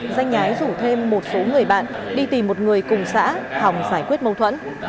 danh nhái rủ thêm một số người bạn đi tìm một người cùng xã hồng giải quyết mâu thuẫn